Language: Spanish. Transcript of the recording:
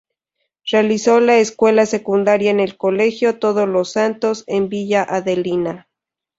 Realizó la escuela secundaria en el colegio Todos Los Santos en Villa Adelina.